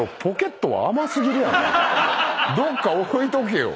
どっか置いとけよ。